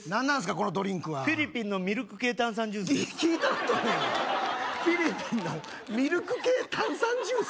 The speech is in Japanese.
このドリンクはフィリピンのミルク系炭酸ジュースです聞いたことねえわフィリピンのミルク系炭酸ジュース？